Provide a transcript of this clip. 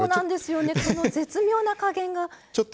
この絶妙な加減が。